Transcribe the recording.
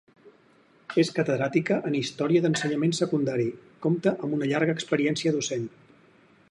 És catedràtica en història d’ensenyament secundari, compta amb una llarga experiència docent.